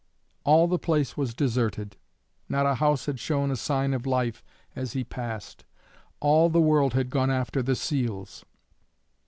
All the place was deserted; not a house had shown a sign of life as he passed. All the world had gone after the seals.